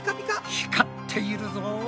光っているぞ。